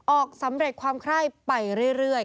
ออกสำเร็จความไคร้ไปเรื่อย